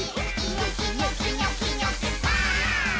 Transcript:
「ニョキニョキニョキニョキバーン！」